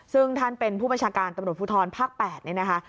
ซึ่งท่านเป็นผู้บัญชาการตำรวจภูทรภาค๘นี่นะคะ